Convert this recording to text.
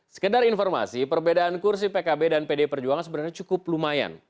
sekedar informasi perbedaan kursi pkb dan pd perjuangan sebenarnya cukup lumayan